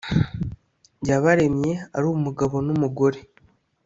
yabaremye ari umugabo n umugore